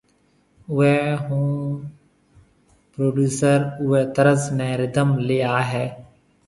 اوئي ھونپروڊيوسر اوئي طرز ني رڌم لي آوي ھيَََ